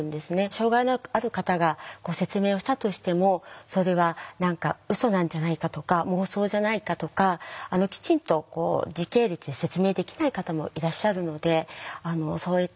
障害のある方が説明をしたとしてもそれは何かうそなんじゃないかとか妄想じゃないかとかきちんと時系列で説明できない方もいらっしゃるのでそう言って聞いてもらえない。